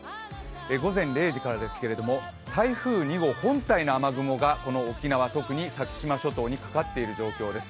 午前０時からですけれども、台風２号本体の雨雲がこの沖縄、特に先島諸島にかかっている状況です。